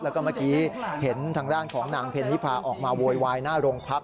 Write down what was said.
แล้วก็เมื่อกี้เห็นทางด้านของนางเพนิพาออกมาโวยวายหน้าโรงพัก